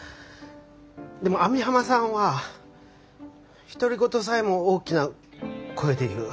でも網浜さんは独り言さえも大きな声で言う。